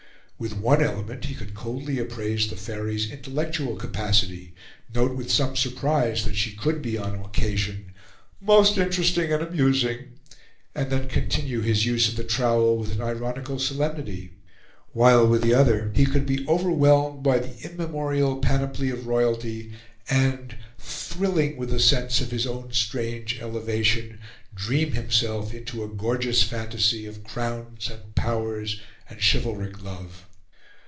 With one element, he could coldly appraise the Faery's intellectual capacity, note with some surprise that she could be on occasion "most interesting and amusing," and then continue his use of the trowel with an ironical solemnity; while, with the other, he could be overwhelmed by the immemorial panoply of royalty, and, thrilling with the sense of his own strange elevation, dream himself into a gorgeous phantasy of crowns and powers and chivalric love.